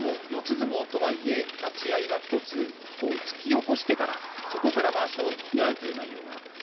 相撲とはいえ立ち合いは１つ突き起こしてからそこからまわしをねらうという内容です。